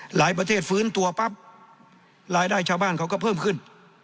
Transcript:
หลายประเทศฟื้นตัวปั๊บรายได้ชาวบ้านเขาก็เพิ่มขึ้น